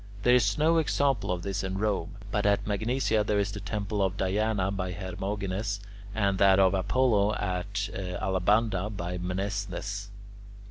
There is no example of this in Rome, but at Magnesia there is the temple of Diana by Hermogenes, and that of Apollo at Alabanda by Mnesthes.